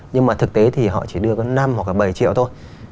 nhưng mà thực tế thì họ chỉ đưa năm hoặc bảy triệu thôi